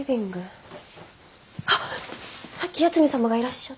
あっさっき八海サマがいらっしゃった。